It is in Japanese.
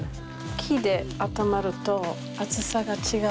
木であったまると熱さが違う。